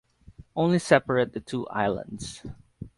Only separate the two islands.